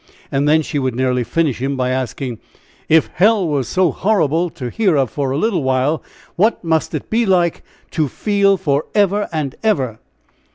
And then she would nearly finish him by asking: "If hell was so horrible to hear of for a little while, what must it be to feel forever and ever?"